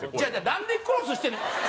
なんでクロスしてんねん！